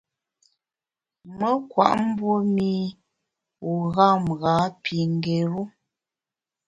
Me nkwet mbue mî u gham ghâ pi ngéru.